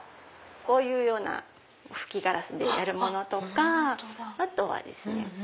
こういうような吹きガラスでやるものとかあとはですね